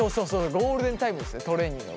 ゴールデンタイムですトレーニングの。